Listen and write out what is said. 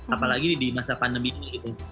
apalagi di masa pandemi ini gitu